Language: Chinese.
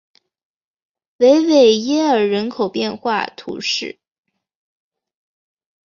维维耶尔人口变化图示